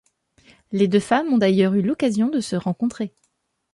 Les deux femmes ont d'ailleurs eu l'occasion de se rencontrer.